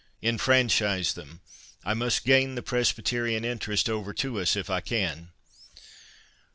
"Enfranchise them; I must gain the Presbyterian interest over to us if I can."